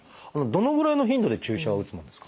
どのぐらいの頻度で注射を打つものですか？